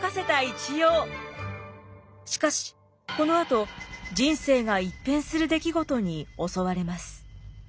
しかしこのあと人生が一変する出来事に襲われます。